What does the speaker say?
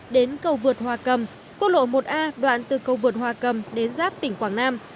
đến cầu vượt hòa cầm quốc lộ một a đoạn từ cầu vượt hòa cầm đến giáp tỉnh quảng nam